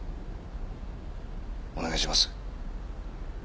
お願いします。